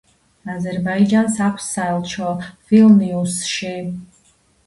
აზერბაიჯანს აქვს საელჩო ვილნიუსში.